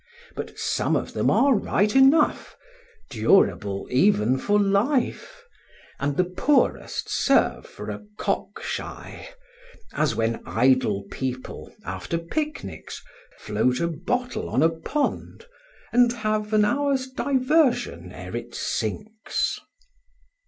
But some of them are right enough, durable even for life; and the poorest serve for a cock shy as when idle people, after picnics, float a bottle on a pond and have an hour's diversion ere it sinks.